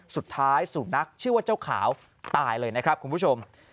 สุดท้ายสูบนักชื่อว่าเจ้าขาวตายเลยนะครับคุณผู้ชม